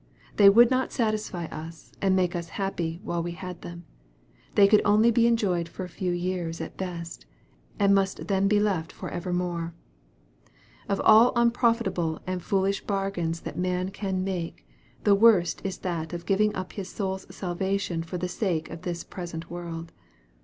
They would not satisfy us, and make us happy while we had them. They could only be enjoyed for a few years, at best, and must then be left for evermore. Of all un profitable and foolish bargains that man can make, the worst is that of giving up his soul's salvation for the sake of this present world.